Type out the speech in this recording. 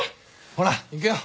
ほら行くよ。